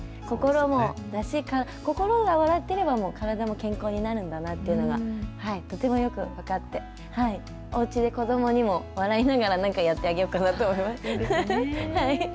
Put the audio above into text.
心もだし、心が笑ってれば、体も健康になるんだなっていうのが、とてもよく分かって、おうちで子どもにも、笑いながらなんかやってあげようかなと思いました。